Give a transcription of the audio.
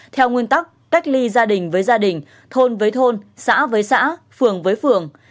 theo nguyên tắc cách ly gia đình với gia đình thôn với thôn xã với xã phường với phường